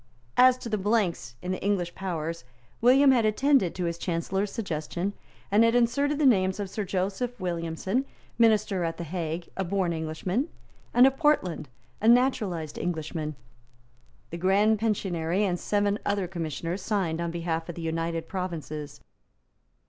As to the blanks in the English powers, William had attended to his Chancellor's suggestion, and had inserted the names of Sir Joseph Williamson, minister at the Hague, a born Englishman, and of Portland, a naturalised Englishman. The Grand Pensionary and seven other Commissioners signed on behalf of the United Provinces.